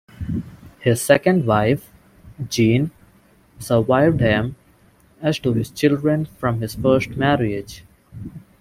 His second wife, Jean, survived him, as do his children from his first marriage.